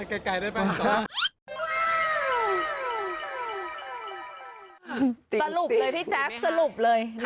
สรุปเลยพี่แจ๊บสรุปเลย